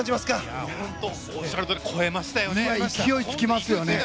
おっしゃるとおり超えましたよね。